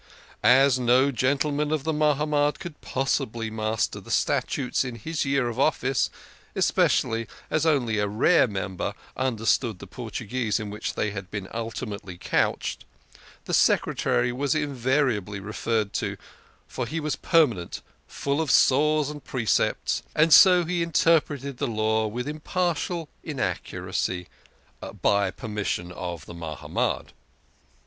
As no gentleman of the Mahamad could pos sibly master the statutes in his year of office, especially as only a rare member understood the Por tuguese in which they had been ultimately couched, the Secre tary was invariably re ferred to, for he was permanent, full of saws and precedents, and so he interpreted the law with impar tial inaccuracy " by permission of the Ma hamad."